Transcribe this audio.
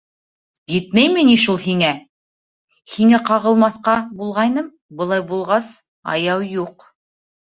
Етмәйме ни шул һиңә?! һиңә ҡағылмаҫҡа булғайным, былай булғас, аяу юҡ.